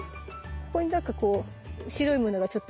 ここに何かこう白いものがちょっと見えるよね？